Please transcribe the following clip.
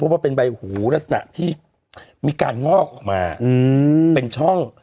ว่าเป็นใบหูลักษณะที่มีการงอกออกมาเป็นช่อง